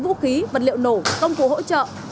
vũ khí vật liệu nổ công cụ hỗ trợ